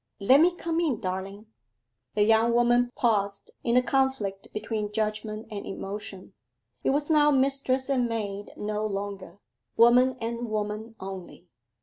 'Let me come in, darling.' The young woman paused in a conflict between judgment and emotion. It was now mistress and maid no longer; woman and woman only.